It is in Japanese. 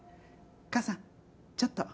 母さんちょっと。